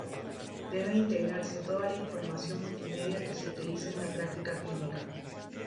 Debe integrarse toda la información multimedia que se utiliza en la práctica clínica.